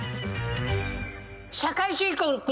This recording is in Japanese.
社会主義国の。